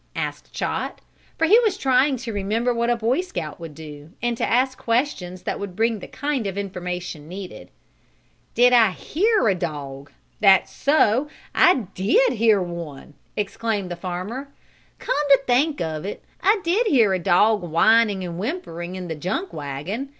asked Chot, for he was trying to remember what a Boy Scout would do, and to ask questions that would bring the kind of information needed. "Did I hear a dog that's so, I did hear one!" exclaimed the farmer. "Come to think of it I did hear a dog whining and whimpering in the junk wagon.